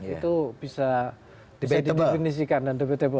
itu bisa didefinisikan dan debatable